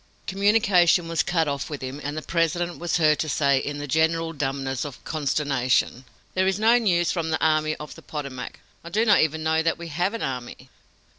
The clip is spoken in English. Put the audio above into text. Communication was cut off with him, and the President was heard to say in the general dumbness of consternation: "There is no news from the Army of the Potomac. I do not even know that we have an army!"